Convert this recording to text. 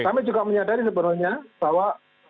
kami juga menyadari sebenarnya bahwa